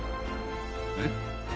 えっ？